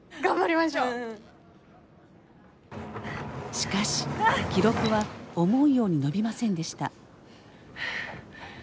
しかし記録は思うように伸びませんでした。